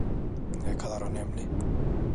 Ne kadar önemli?